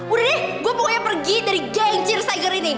udah deh gue pokoknya pergi dari geng chills tiger ini